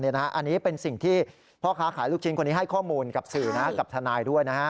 อันนี้เป็นสิ่งที่พ่อค้าขายลูกชิ้นคนนี้ให้ข้อมูลกับสื่อกับทนายด้วยนะฮะ